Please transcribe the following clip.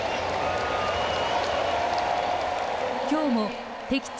今日も敵地